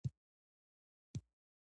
په ښایستو بڼو کي پټ رنګین وو ښکلی